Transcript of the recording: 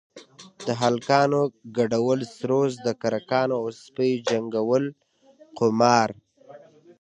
د هلکانو گډول سروذ د کرکانو او سپيو جنگول قمار.